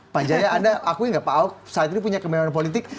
pak jaya anda akui nggak pak ahok saat ini punya kemewahan politik